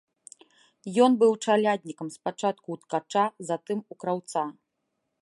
Ён быў чаляднікам спачатку ў ткача, затым у краўца.